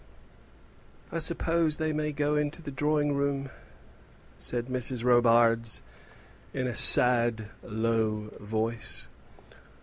"I suppose they may go into the drawing room," said Mrs. Robarts, in a sad low voice.